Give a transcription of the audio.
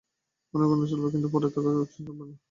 আনাগোনা চলবে, কিন্তু পড়ে থাকা আর চলবে না।